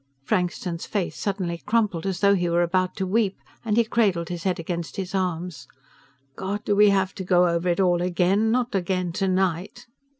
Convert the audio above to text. Frankston's face suddenly crumpled as though he were about to weep and he cradled his head against his arms. "God, do we have to go over it all again? Not again tonight!"